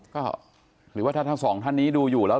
ก็หรือว่าถ้าทั้งสองท่านนี้ดูอยู่แล้ว